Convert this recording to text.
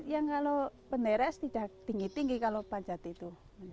ya kalau penderes tidak tinggi tinggi kalau panjat itu